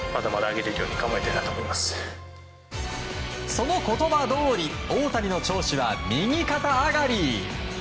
その言葉どおり大谷の調子は右肩上がり。